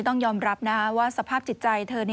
ต้องยอมรับนะว่าสภาพจิตใจเธอ